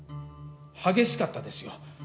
激しかったですよ。